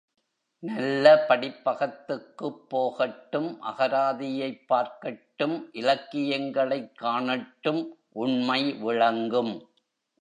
நல்ல படிப்பகத்துக்குப் போகட்டும் அகராதியைப் பார்க்கட்டும் இலக்கியங்களைக் காணட்டும் உண்மை விளங்கும்.